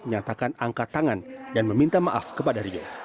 menyatakan angkat tangan dan meminta maaf kepada rio